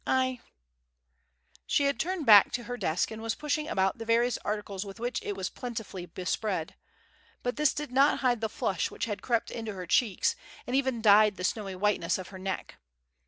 I " She had turned back to her desk and was pushing about the various articles with which it was plentifully bespread; but this did not hide the flush which had crept into her cheeks and even dyed the snowy whiteness of her neck.